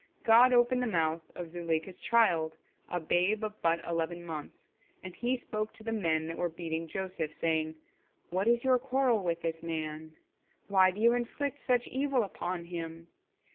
God opened the mouth of Zuleika's child, a babe of but eleven months, and he spoke to the men that were beating Joseph, saying: "What is your quarrel with this man? Why do you inflict such evil upon him?